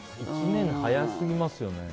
１年、早すぎますよね。